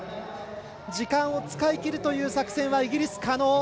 時間を使い切るという作戦はイギリス可能。